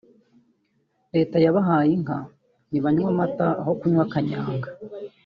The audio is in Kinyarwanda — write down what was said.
Leta yabahaye inka nibanywe amata aho kunywa kanyanga